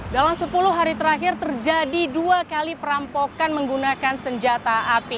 dalam sepuluh hari terakhir terjadi dua kali perampokan menggunakan senjata api